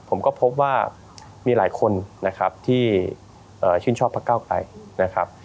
ผมก็พบว่ามีหลายคนนะครับที่ชื่นชอบพระเก้าไกรนะครับ